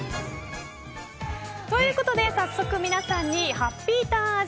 ということで早速皆さんにハッピーターン味